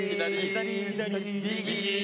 左右。